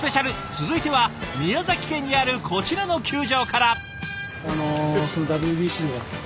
続いては宮崎県にあるこちらの球場から。